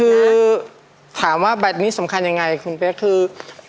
คือถามว่าบัตรนี้สำคัญยังไงคุณเป๊กคือ